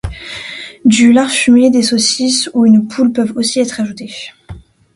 Du lard fumé, des saucisses, ou une poule peuvent aussi y être ajoutés.